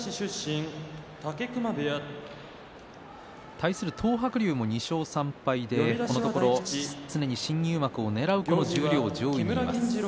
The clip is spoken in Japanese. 対する東白龍も２勝３敗でこのところ新入幕をねらう上位にいます。